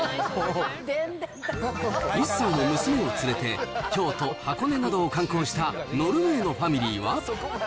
１歳の娘を連れて京都、箱根などを観光したノルウェーのファミリーは。